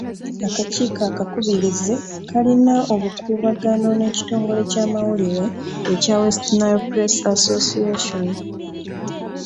Akakiiko akakubirizi kayina obukuubagano n'ekitongole ky'amawulire ekya West Nile press association.